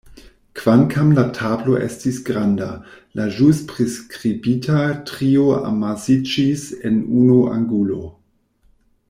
Kvankam la tablo estis granda, la ĵus priskribita trio amasiĝis en unu angulo.